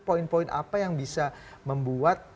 poin poin apa yang bisa membuat